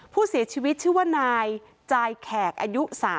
ผู้เสียชีวิตชื่อว่านายจายแขกอายุ๓๐